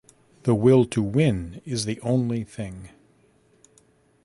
The will to win is the only thing.